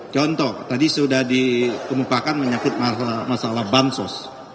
contoh tadi sudah dikemukakan menyakit masalah bansos